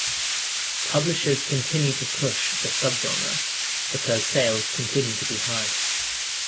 Publishers continue to push the subgenre because sales continue to be high.